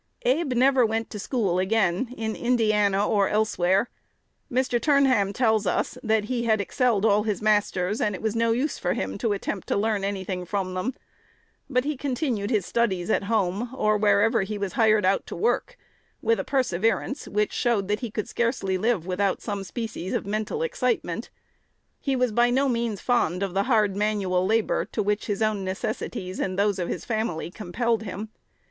Abe never went to school again in Indiana or elsewhere. Mr. Turnham tells us, that he had excelled all his masters, and it was "no use" for him to attempt to learn any thing from them. But he continued his studies at home, or wherever he was hired out to work, with a perseverance which showed that he could scarcely live without some species of mental excitement. He was by no means fond of the hard manual labor to which his own necessities and those of his family compelled him.